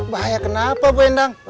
bahaya kenapa bu endang